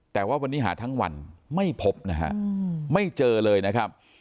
แต่ว่าวันนี้หาทั้งวันไม่พบนะฮะไม่เจอเลยนะครับ